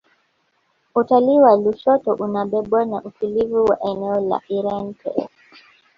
utalii wa lushoto unabebwa na utulivu wa eneo la irente